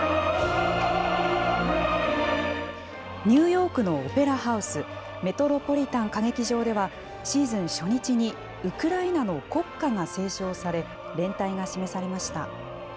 ニューヨークのオペラハウス、メトロポリタン歌劇場では、シーズン初日にウクライナの国歌が斉唱され、連帯が示されました。